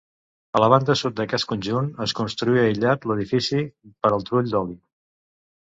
A la banda sud d'aquest conjunt es construí, aïllat, l'edifici per al trull d'oli.